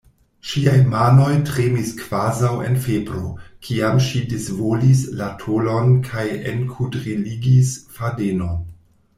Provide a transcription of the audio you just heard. Ŝiaj manoj tremis kvazaŭ en febro, kiam ŝi disvolvis la tolon kaj enkudriligis fadenon.